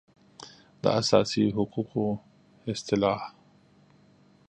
د اساسي حقوقو اصطلاح